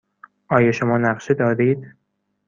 آیا شما نقشه دارید؟